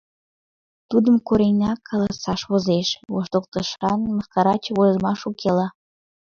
Тудым коренак каласаш возеш: воштылтышан, мыскараче возымаш уке-ла.